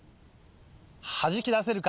はじき出せるか。